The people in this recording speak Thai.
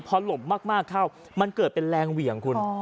พอหลบมากเข้ามันเกิดเป็นแรงเหวี่ยงคุณ